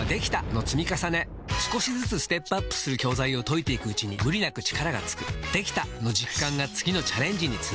少しずつステップアップする教材を解いていくうちに無理なく力がつく「できた！」の実感が次のチャレンジにつながるよし！